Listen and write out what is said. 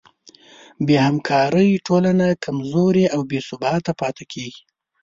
بېهمکارۍ ټولنه کمزورې او بېثباته پاتې کېږي.